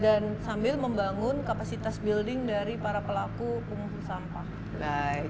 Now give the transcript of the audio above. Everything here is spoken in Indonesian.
dan sambil membangun kapasitas building dari para pelaku pengusaha sampah